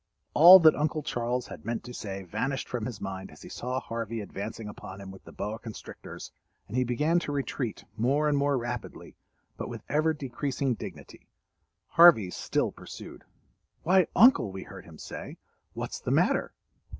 All that Uncle Charles had meant to say vanished from his mind as he saw Harvey advancing upon him with the boa constrictors, and he began to retreat more and more rapidly, but with ever decreasing dignity. Harvey still pursued. "Why, Uncle," we heard him say, "what's the matter?"